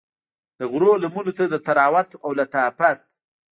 د غرو لمنو ته د طراوت او لطافت